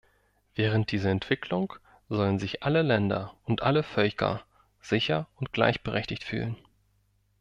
Während dieser Entwicklung sollen sich alle Länder und alle Völker sicher und gleichberechtigt fühlen.